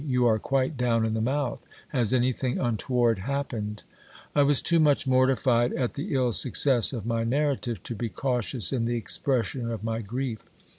You are quite down in the mouth ! Has any thing untoward happened ? I was too much mortified at the ill success of my narrative, to be cautious in the expression of 'my grief.